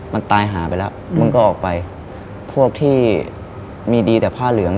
มันตายหาไปแล้วมึงก็ออกไปพวกที่มีดีแต่ผ้าเหลือง